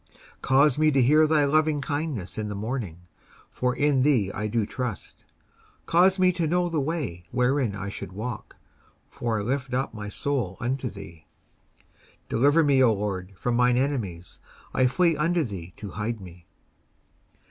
19:143:008 Cause me to hear thy lovingkindness in the morning; for in thee do I trust: cause me to know the way wherein I should walk; for I lift up my soul unto thee. 19:143:009 Deliver me, O LORD, from mine enemies: I flee unto thee to hide me.